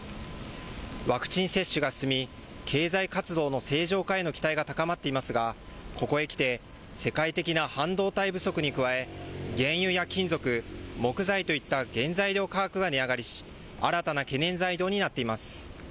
ワクチン接種が進み経済活動の正常化への期待が高まっていますがここへ来て世界的な半導体不足に加え、原油や金属、木材といった原材料価格が値上がりし新たな懸念材料になっています。